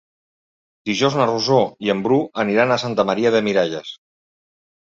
Dijous na Rosó i en Bru aniran a Santa Maria de Miralles.